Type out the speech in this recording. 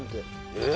えっ？